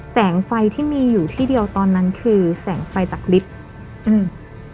แสงไฟที่มีอยู่ที่เดียวตอนนั้นคือแสงไฟจากลิฟต์อืม